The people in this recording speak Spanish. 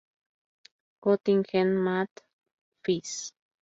Göttingen, Math.-Phys.